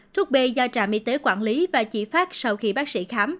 thuốc b do trạm y tế quản lý và chỉ phát sau khi bác sĩ khám